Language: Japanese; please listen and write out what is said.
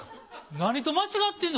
何と間違ってんの？